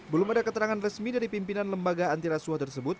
belum ada keterangan resmi dari pimpinan lembaga antiraswa tersebut